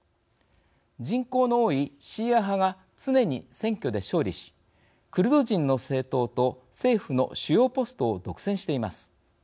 人口の多いシーア派が常に選挙で勝利しクルド人の政党と政府の主要ポストを独占しています。